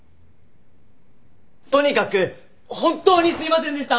とにかく本当にすいませんでした！